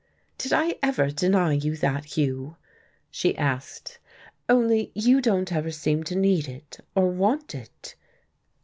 "Did I ever deny you that, Hugh?" she asked. "Only you don't ever seem to need it, to want it."